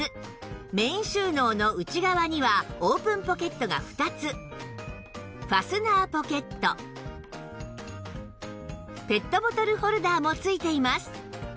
メイン収納の内側にはオープンポケットが２つファスナーポケットペットボトルホルダーも付いています